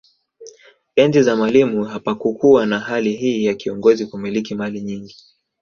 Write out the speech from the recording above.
Enzi za Mwalimu hapakukuwa na hali hii ya kiongozi kumiliki mali nyingi